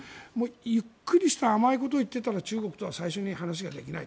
ゆっくりした甘いことを言っていたら中国とは最初に話はできない。